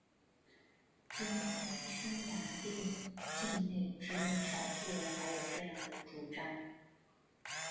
今天匈牙利境内只有少数人还有这样的主张。